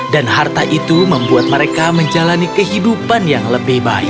dan harta itu membuat mereka menjalani kehidupan yang lebih baik